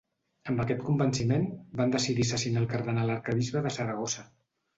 Amb aquest convenciment, van decidir assassinar al cardenal arquebisbe de Saragossa.